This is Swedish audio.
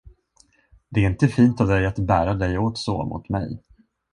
Det är inte fint av dig att bära dig åt så mot mig.